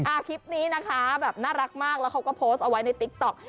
คลิปนี้นะคะแบบน่ารักมากแล้วเขาก็โพสต์เอาไว้ในติ๊กต๊อก